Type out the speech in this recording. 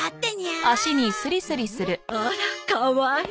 うん？あらかわいい。